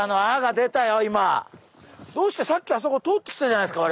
どうしてさっきあそこ通ってきたじゃないですか